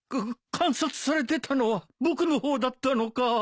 観察されてたのは僕の方だったのか。